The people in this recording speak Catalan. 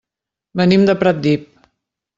Venim de Pratdip.